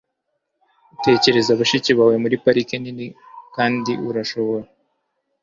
utekereza bashiki bawe muri parike nini, kandi urashobora